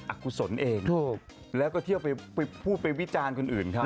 กุศลเองแล้วก็เที่ยวไปพูดไปวิจารณ์คนอื่นเขา